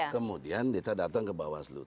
kemudian kita datang ke bawah seluruh